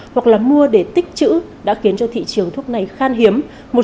hoặc là mua để tích chữ đã khiến cho thị trường thuốc này khan hiếm